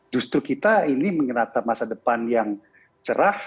justru kita ini mengenalkan masa depan yang cerah